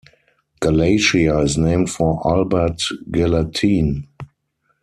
Galatia is named for Albert Gallatin.